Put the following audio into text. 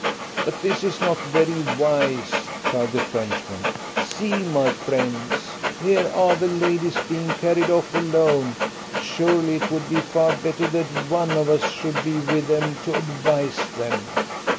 "But this is not very wise," cried the Frenchman. "See, my friends! Here are the ladies being carried off alone. Surely it would be far better that one of us should be with them to advise them."